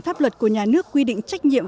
pháp luật của nhà nước quy định trách nhiệm